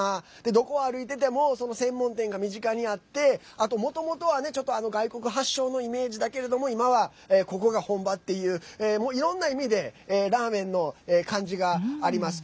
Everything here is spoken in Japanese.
どこを歩いてても専門店が身近にあってあと、もともとはね外国発祥のイメージだけれども今は、ここが本場っていういろんな意味でラーメンの感じがあります。